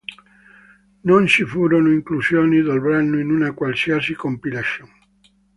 Non ci furono inclusioni del brano in una qualsiasi "compilation".